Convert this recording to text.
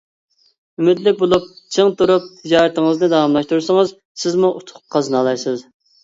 ئۈمىدلىك بولۇپ، چىڭ تۇرۇپ تىجارىتىڭىزنى داۋاملاشتۇرسىڭىز، سىزمۇ ئۇتۇق قازىنالايسىز.